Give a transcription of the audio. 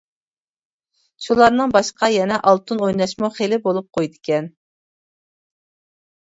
شۇلارنىڭ باشقا يەنە ئالتۇن ئويناشمۇ خېلى بولۇپ قويىدىكەن.